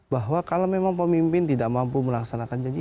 bahwa kalau memang pemimpin tidak mampu melaksanakan janji